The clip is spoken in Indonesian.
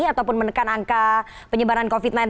ataupun menekan angka penyebaran covid sembilan belas